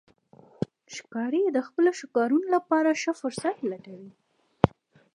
ښکاري د خپلو ښکارونو لپاره ښه فرصت لټوي.